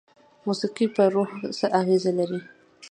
موسیقي په روح څه اغیزه لري؟